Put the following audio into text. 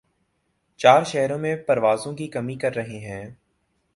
چار شہرو ں میں پروازوں کی کمی کر رہے ہیں